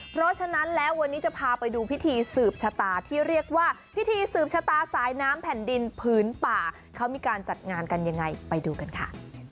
เพราะฉะนั้นแล้ววันนี้จะพาไปดูพิธีสืบชะตาที่เรียกว่าพิธีสืบชะตาสายน้ำแผ่นดินผืนป่าเขามีการจัดงานกันยังไงไปดูกันค่ะ